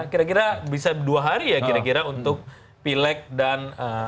kira kira bisa dua hari ya kira kira untuk pileg dan